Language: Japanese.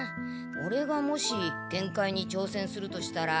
オレがもし限界に挑戦するとしたら。